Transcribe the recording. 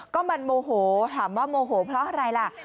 ก็มันโมโหถามว่าโมโหเพราะอะไรล่ะ